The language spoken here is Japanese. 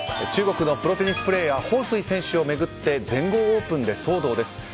中国のプロテニスプレーヤーホウ・スイ選手を巡って全豪オープンで騒動です。